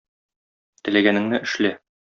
Теләгәнеңне эшлә.